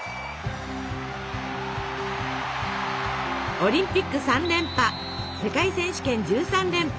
オリンピック３連覇世界選手権１３連覇。